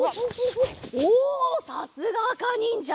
おおさすがあかにんじゃ。